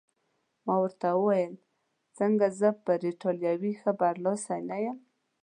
ما ورته وویل: څنګه، زه پر ایټالوي ښه برلاسی نه یم؟